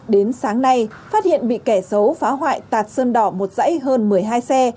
đến sáng nay phát hiện bị kẻ xấu phá hoại tạt sơn đỏ một dãy hơn một mươi hai xe